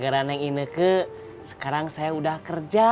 gara gara neng ineke sekarang saya udah kerja